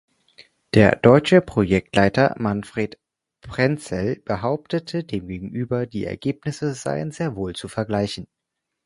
Der deutsche Projektleiter Manfred Prenzel behauptete demgegenüber, die Ergebnisse seien sehr wohl zu vergleichen.